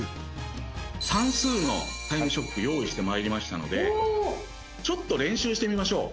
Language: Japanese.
算数の『タイムショック』用意して参りましたのでちょっと練習してみましょう。